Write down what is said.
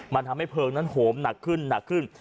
มันทำให้เพลิงนั้นโหมหนักขึ้นหนักขึ้น